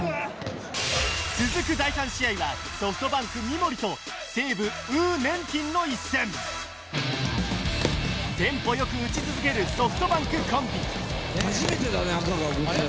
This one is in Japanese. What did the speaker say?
続く第３試合はソフトバンク・三森と西武・呉念庭の一戦テンポよく打ち続けるソフトバンクコンビ初めてだね赤が動きだしたの。